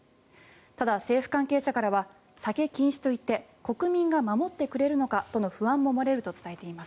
ただ、政府関係者からは酒禁止と言って国民が守ってくれるのかとの不安も漏れると伝えています。